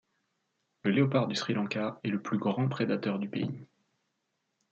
Le Léopard du Sri Lanka est le plus grand prédateur du pays.